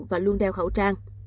và luôn đeo khẩu trang